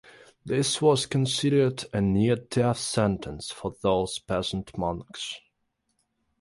This was considered a near death sentence for those peasant monks.